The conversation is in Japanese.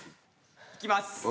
いきます